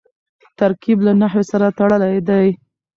ترکیب له نحوي سره تړلی دئ.